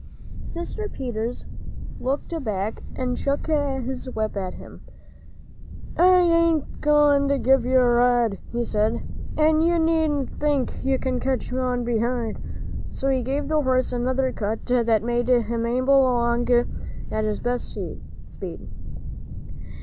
Mr. Peters looked back and shook his whip at him. "I ain't a goin' to give you a ride," he said, "an' you needn't think you can catch on behind." So he gave the horse another cut, that made him amble along at his best speed.